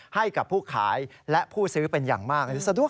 ให้กับผู้ขายและผู้ซื้อเป็นอย่างมาก